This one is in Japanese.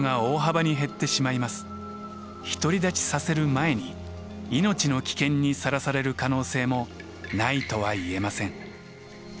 独り立ちさせる前に命の危険にさらされる可能性もないとはいえません。